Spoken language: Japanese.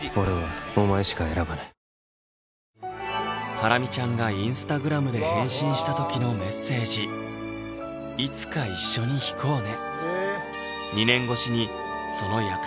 ハラミちゃんがインスタグラムで返信した時のメッセージ「いつか一緒に弾こうね」